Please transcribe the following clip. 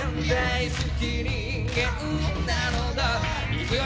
いくよ